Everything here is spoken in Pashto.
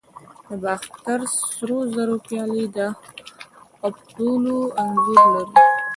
د باختر سرو زرو پیالې د اپولو انځور لري